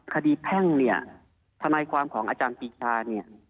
แพ่งเนี่ยทนายความของอาจารย์ปีชาเนี่ย